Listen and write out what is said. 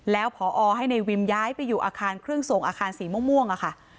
แล้วพอให้ในวิมย้ายไปอยู่อาคารเครื่องส่งอาคารสีม่วงค่ะ